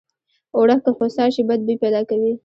اوړه که خوسا شي بد بوي پیدا کوي